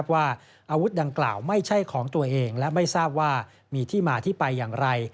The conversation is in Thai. ว่าอาวุธดังกล่าวไม่ใช่ของตัวเองและไม่ทราบว่ามีที่มาที่ไปอย่างไร